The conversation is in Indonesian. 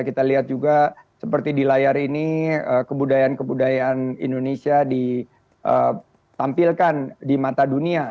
kita lihat juga seperti di layar ini kebudayaan kebudayaan indonesia ditampilkan di mata dunia